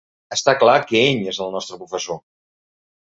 Està clar que ell és el nostre professor.